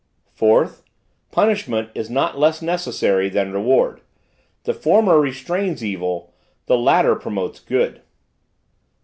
"4th. Punishment is not less necessary than reward. The former restrains evil; the latter promotes good.